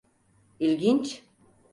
İIginç.